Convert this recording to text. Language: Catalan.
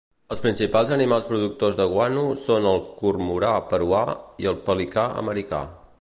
Els principals animals productors de guano són el cormorà peruà i el pelicà americà.